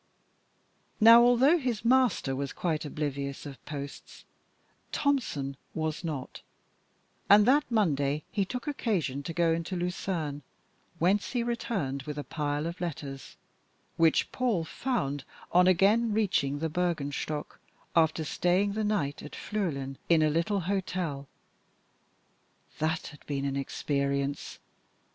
Now, although his master was quite oblivious of posts, Tompson was not, and that Monday he took occasion to go into Lucerne, whence he returned with a pile of letters, which Paul found on again reaching the Bürgenstock, after staying the night at Flüelen in a little hotel. That had been an experience!